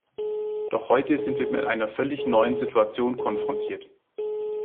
Doch heute sind wir mit einer völlig neuen Situation konfrontiert.